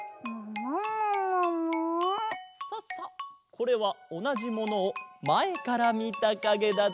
これはおなじものをまえからみたかげだぞ。